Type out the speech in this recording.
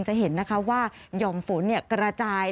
จะเห็นนะคะว่าหย่อมฝนกระจาย